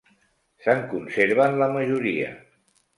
Se'n conserven la majoria.